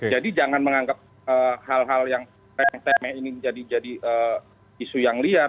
jadi jangan menganggap hal hal yang teme teme ini jadi isu yang liar